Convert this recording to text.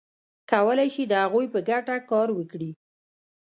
کولای شي د هغوی په ګټه کار وکړي.